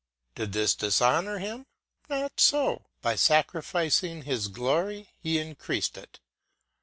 Did this dishonour him? Not so; by sacrificing his glory he increased it.